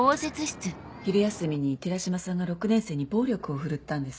昼休みに寺島さんが６年生に暴力を振るったんです。